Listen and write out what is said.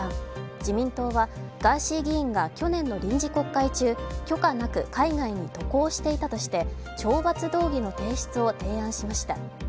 自民党はガーシー議員が去年の臨時国会中許可なく海外に渡航していたとして懲罰動議の提出を提案しました。